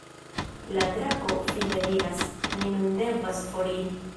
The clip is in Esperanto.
La drako fine diras: "Mi nun devas foriri".